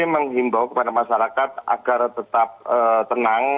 menghimbau kepada masyarakat agar tetap tenang